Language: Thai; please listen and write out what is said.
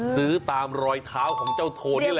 ซื้อตามรอยเท้าของเจ้าโทนนี่แหละ